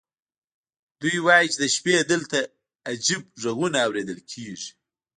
دوی وایي چې د شپې دلته عجیب غږونه اورېدل کېږي.